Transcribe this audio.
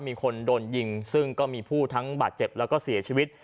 มีคนโดนยิงซึ่งก็มีผู้ทั้งบาดเจ็บแล้วก็เสียชีวิต